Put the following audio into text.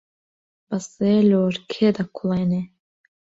بەسێ لۆرکێ دەکوڵێنێ